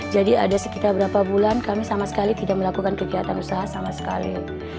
ada sekitar berapa bulan kami sama sekali tidak melakukan kegiatan usaha sama sekali